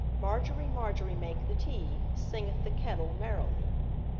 Margery, Margery, make the tea, Singeth the kettle merrily.